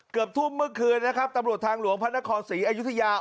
เกือบทุ่มเมื่อคืนนะครับตำรวจทางหลวงพระนครศรีอยุธยา